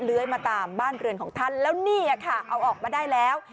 เลื้อยมาตามบ้านเรือนของท่านแล้วนี่ค่ะเอาออกมาได้แล้ว